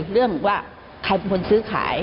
เรื่องแบบว่าใครบุญช่วยซื้อขาย